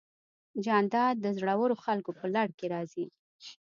جانداد د زړورو خلکو په لړ کې راځي.